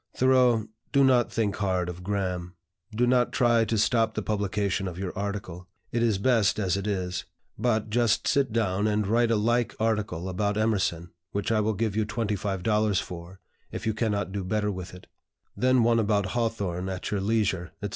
"Thoreau, do not think hard of Graham. Do not try to stop the publication of your article. It is best as it is. But just sit down and write a like article about Emerson, which I will give you $25 for, if you cannot do better with it; then one about Hawthorne at your leisure, etc.